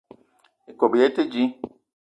Ikob í yé í te dji.